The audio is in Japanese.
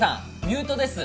ミュートです